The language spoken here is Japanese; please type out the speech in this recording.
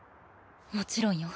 もちろんよ。